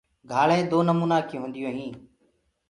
گھآݪینٚ دو نمونآ ڪي هونديو هينٚ۔